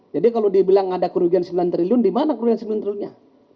kalau dibilang ada kerugian sembilan triliun di mana kerugian sementaranya